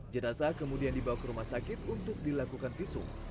jenazah kemudian dibawa ke rumah sakit untuk dilakukan visum